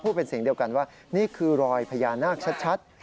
เป็นเสียงเดียวกันว่านี่คือรอยพญานาคชัด